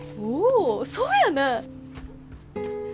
おそうやな！